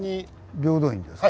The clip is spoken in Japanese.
平等院ですか。